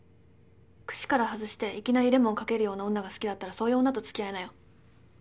串から外していきなりレモンかけるような女が好きだったらそういう女と付き合いなよ。